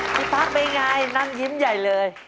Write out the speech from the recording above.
พี่ป๊าเป็นอย่างไรนั่นยิ้มใหญ่เลย